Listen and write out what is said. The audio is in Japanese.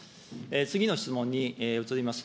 次の質問に移ります。